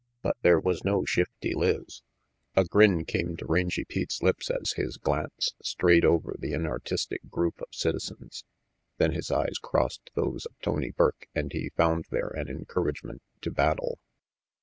But there was no Shifty Lizz. A grin came to Rangy Pete's lips as his glance strayed over the inartistic group of citizens. Then his eyes crossed those of Tony Burke and he found there an encouragement to battle.